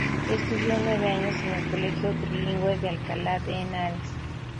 Estudió nueve años en el Colegio Trilingüe de Alcalá de Henares.